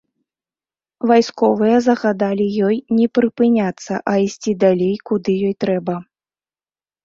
Вайсковыя загадалі ёй не прыпыняцца, а ісці далей, куды ёй трэба.